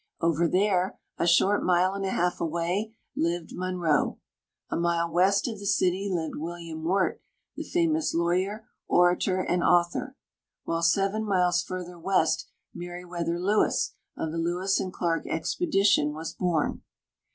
Over there, a short mile and a half away, lived Monroe; a mile west of the city lived William Wirt, the famous lawyer, oiator, and author, while seven miles further w'est Meriw'ether Lewis, of the Lewis and Clarke e.xpedition, was born.